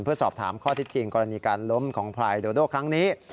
เพื่อสอบถามข้อที่จริงกรณีการล้มของพรายโดโดครั้งนี้